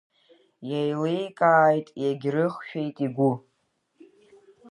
Еиликааит егьрыхшәеит игәы.